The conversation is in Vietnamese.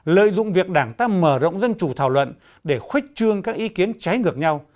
lợi dụng việc đảng ta mở rộng dân chủ thảo luận để khuếch trương các ý kiến trái ngược nhau